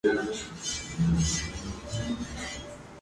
Junto a ella actúan Adam Goldberg y Daniel Brühl.